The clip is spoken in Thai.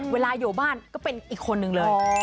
เวลาอยู่บ้านก็เป็นอีกคนนึงเลย